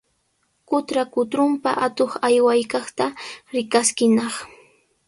Qutra kutrunpa atuq aywaykaqta rikaskinaq.